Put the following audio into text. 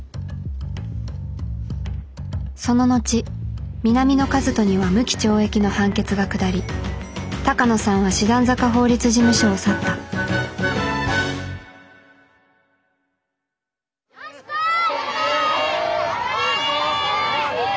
その後南野一翔には無期懲役の判決が下り鷹野さんは師団坂法律事務所を去ったよし来い！